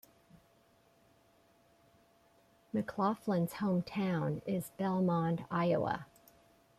McLaughlin's hometown is Belmond, Iowa.